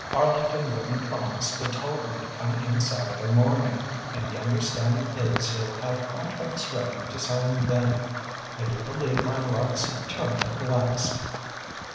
Arlington wouldn't promise, but told me to come in Saturday morning, and the understanding is he'll have contracts ready to sign then. I do believe my luck's turned at last!"